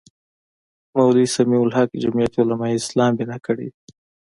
مولوي سمیع الحق جمیعت علمای اسلام بنا کړې وې.